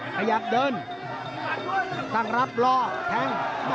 ขยับเดินตั้งรับรอแทง